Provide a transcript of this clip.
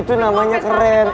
itu namanya keren